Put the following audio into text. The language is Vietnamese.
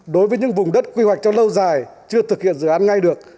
đối với những vùng đất quy hoạch cho lâu dài chưa thực hiện dự án ngay được